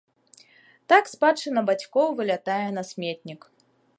Так спадчына бацькоў вылятае на сметнік.